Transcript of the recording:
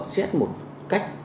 xét một cách